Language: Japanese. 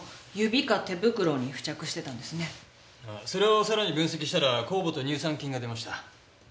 それをさらに分析したら酵母と乳酸菌が出ました。